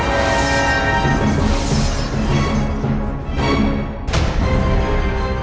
aku akan membalaskan dendammu